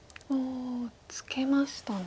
ツケましたね。